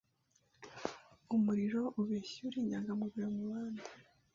Umuriro ubeshya iyo uri inyangamugayo mubandi